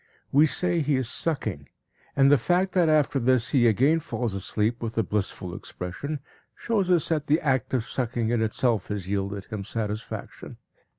We say he is sucking, and the fact that after this he again falls asleep with a blissful expression shows us that the act of sucking in itself has yielded him satisfaction.